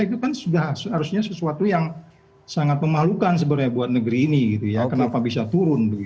itu kan sudah harusnya sesuatu yang sangat memalukan sebenarnya buat negeri ini kenapa bisa turun